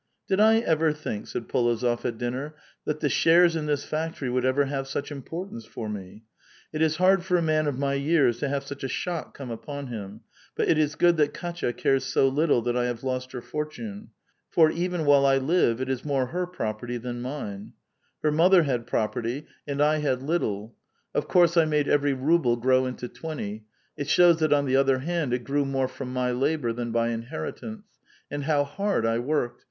"Did I ever think," said P61ozof at dinner, "that the shares in this factory would ever have such importance for me ? It is hard for a man of my years to have such a shock come upon him, but it is good that Kdtya cares so little that I have lost her fortune ; for, even while I live, it is more her pfoperty than mine : her mother had property, and I had A VITAL QUESTION. 425 little. Of course I made every nible grow into twenty ; it shows that, on the other hand, it grew more from my labor than by inheritance; and how hard I worked!